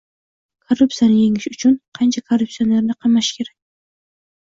Korrupsiyani yengish uchun qancha korrupsionerni qamash kerak?